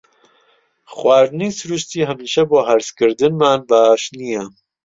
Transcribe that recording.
خواردنی سروشتی هەمیشە بۆ هەرسکردنمان باش نییە.